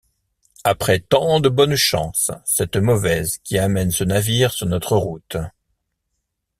Après tant de bonnes chances, cette mauvaise qui amène ce navire sur notre route!...